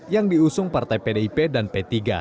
yang diusung partai pdip dan p tiga